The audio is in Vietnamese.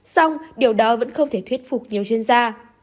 xong điều đó vẫn không thể thuyết phục nhiều chuyên gia